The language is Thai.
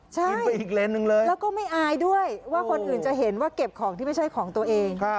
ใช่แล้วก็ไม่อายด้วยว่าคนอื่นจะเห็นว่าเก็บของที่ไม่ใช่ของตัวเอง